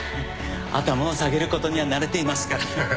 頭を下げることには慣れていますから。